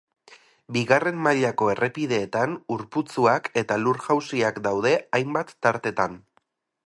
Bigarren mailako errepideetan ur-putzuak eta lur-jausiak daude hainbat tartetan.